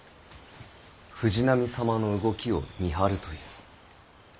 藤波様の動きを見張るという。